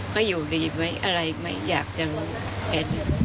เขาอยู่ดีไหมอะไรไหมอยากจะเห็น